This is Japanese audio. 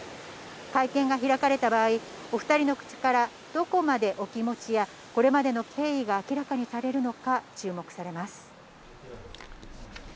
会見が開かれた場合、お２人の口から、どこまでお気持ちやこれまでの経緯が明らかにされるのか注目されます。